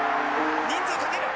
人数かける。